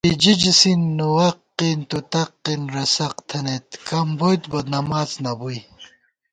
بججس، نوَق، تُتق، رسق تھنَئیت کم بُوئیتبہ نماڅ نہ بُوئی